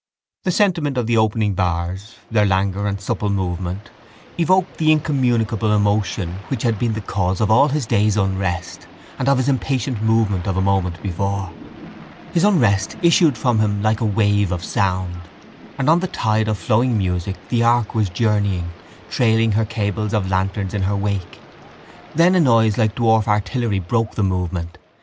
The sentiment of the opening bars, their languor and supple movement, evoked the incommunicable emotion which had been the cause of all his day's unrest and of his impatient movement of a moment before. His unrest issued from him like a wave of sound: and on the tide of flowing music the ark was journeying, trailing her cables of lanterns in her wake. Then a noise like dwarf artillery broke the movement.